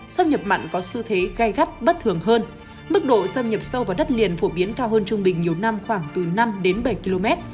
xâm nhập mặn có xu thế gai gắt bất thường hơn mức độ xâm nhập sâu vào đất liền phổ biến cao hơn trung bình nhiều năm khoảng từ năm đến bảy km